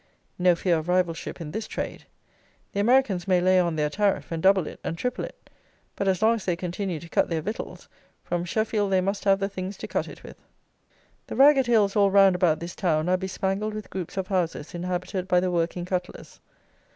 No fear of rivalship in this trade. The Americans may lay on their tariff, and double it, and triple it; but as long as they continue to cut their victuals, from Sheffield they must have the things to cut it with. The ragged hills all round about this town are bespangled with groups of houses inhabited by the working cutlers.